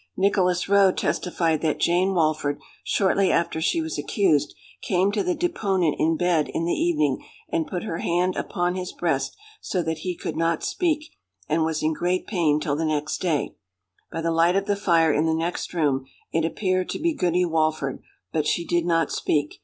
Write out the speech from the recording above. "Nicholas Rowe testified that Jane Walford, shortly after she was accused, came to the deponent in bed in the evening, and put her hand upon his breast, so that he could not speak, and was in great pain till the next day. By the light of the fire in the next room it appeared to be Goody Walford, but she did not speak.